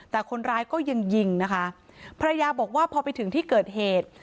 แต่คนร้ายก็ยังยิงนะคะภรรยาบอกว่าพอไปถึงที่เกิดเหตุ